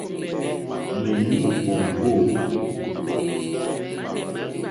Ŋmèní òŋɡô.